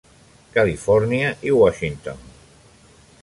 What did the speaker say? Califòrnia i Washington.